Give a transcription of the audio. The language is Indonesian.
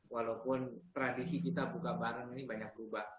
walaupun tradisi kita buka bareng ini banyak berubah